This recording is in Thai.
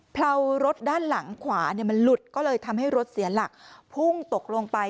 เผารถด้านหลังขวามันหลุดก็เลยทำให้รถเสียหลักพุ่งตกลงไป